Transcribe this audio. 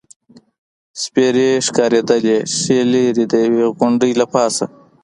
سپېرې ښکارېدلې، ښه لرې، د یوې غونډۍ له پاسه.